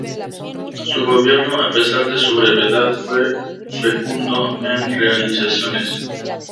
Su gobierno, a pesar de su brevedad, fue fecundo en realizaciones.